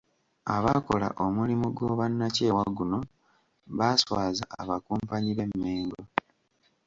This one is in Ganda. Abaakola omulimo gw’obwannakyewa guno baaswaaza abakumpanyi b'e Mengo.